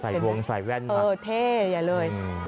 ใส่ดวงใส่แว่นมากอย่าเลย